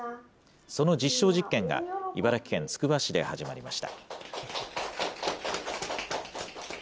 その実証実験が、茨城県つくば市で始まりました。